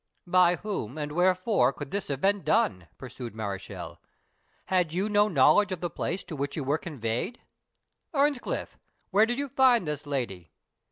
"By whom, and wherefore, could this have been done?" pursued Mareschal. "Had you no knowledge of the place to which you were conveyed? Earnscliff, where did you find this lady?"